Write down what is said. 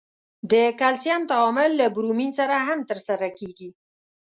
د کلسیم تعامل له برومین سره هم ترسره کیږي.